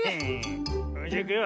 それじゃいくよ。